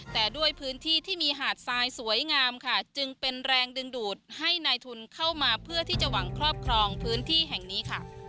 แต่ด้วยพื้นที่ที่มีหาดทรายสวยงามค่ะจึงเป็นแรงดึงดูดให้นายทุนเข้ามาเพื่อที่จะหวังครอบครองพื้นที่แห่งนี้ค่ะ